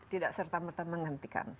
tidak serta merta menghentikan